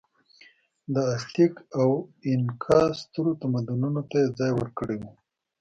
د ازتېک او اینکا سترو تمدنونو ته یې ځای ورکړی و.